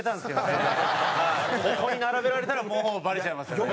ここに並べられたらもうバレちゃいますよね。